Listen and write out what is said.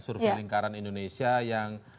survei lingkaran indonesia yang